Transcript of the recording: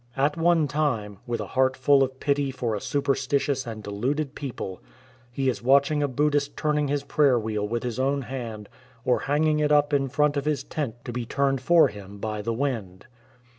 At one time, with a heart full of pity for a superstitious and deluded people, he is watching a Buddhist turning his praying wheel with his own hand or hanging it up in front of his tent to be turned for him by the wind.